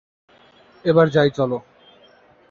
এবার যাই চলো।